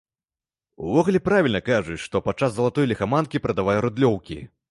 Увогуле, правільна кажуць, што падчас залатой ліхаманкі прадавай рыдлёўкі.